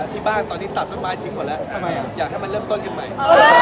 ที่บ้านตอนนี้ตัดต้นไม้ทิ้งหมดแล้วอยากให้มันเริ่มต้นกันใหม่